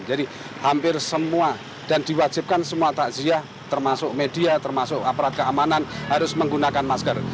jadi hampir semua dan diwajibkan semua takziah termasuk media termasuk aparat keamanan harus menggunakan masker